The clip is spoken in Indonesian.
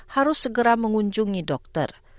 harus segera mengunjungi dokter